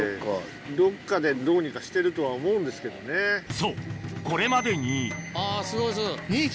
そうこれまでにあすごいすごい２匹。